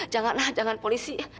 jangan lah jangan polisi